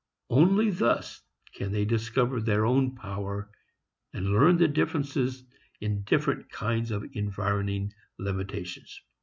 Only thus can they discover their own power and learn the differences in different kinds of environing limitations.